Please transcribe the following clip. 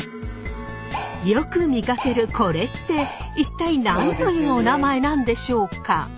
よく見かけるこれって一体何というおなまえなんでしょうか？